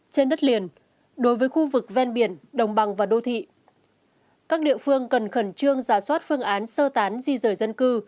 trên đất liền đối với khu vực ven biển đồng bằng và đô thị các địa phương cần khẩn trương giả soát phương án sơ tán di rời dân cư